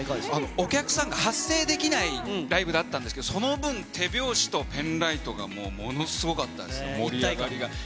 お客さんが発声できないライブだったんですけどその分、手拍子とペンライトがすごかったです。